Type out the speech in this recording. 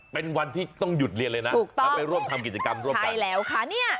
เป็นวันที่ต้องหยุดเรียนเลยนะแล้วไปร่วมทำกิจกรรมร่วมกัน